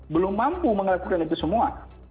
belum mampu melakukan itu semua